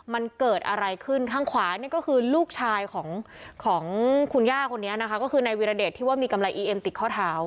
มันเกิดอะไรขึ้นทางขวานี่ก็คือลูกชายของของคุณย่าคนนี้นะคะก็คือนายวิรเดชที่ว่ามีกำไรอีเอ็มติดข้อเท้า